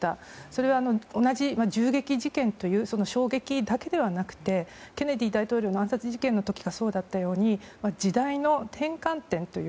それは、同じ銃撃事件という衝撃だけではなくてケネディ大統領の暗殺事件の時がそうだったように時代の転換点だと。